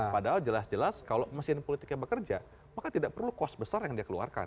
padahal jelas jelas kalau mesin politiknya bekerja maka tidak perlu kos besar yang dia keluarkan